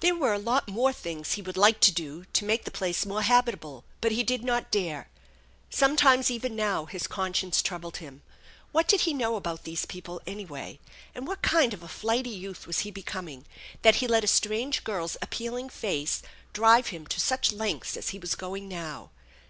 There were a lot more things he would like to do to make the place more habitable, but he did not dare. Sometimes even now his conscience troubled him. What did he know about these people, anyway? and what kind of a flighty youth was he becoming that he let a strange girl's appealing face drive him to such lengths as he was going now?